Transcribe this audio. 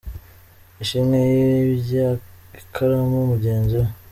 Ishimwe yibye ikaramu mugenzi we!